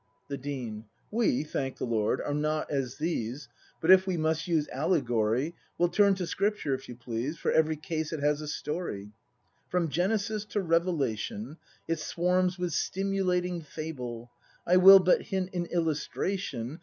The Dean. We, thank the Lord, are not as these; — But if we must use allegory. We'll turn to Scripture, if you please. For every case it has a story, From Genesis to Revelation It swarms with stimulating Fable; I will but hint, in illustration.